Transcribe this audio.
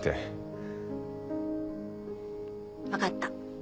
分かった。